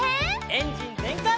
エンジンぜんかい！